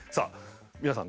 皆さん